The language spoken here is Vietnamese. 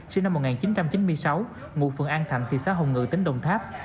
sinh năm một nghìn chín trăm chín mươi sáu ngụ phường an thạnh thị xã hồng ngự tỉnh đồng tháp